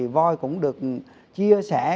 voi cũng được chia sẻ